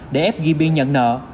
để ép ghi biên nhận nợ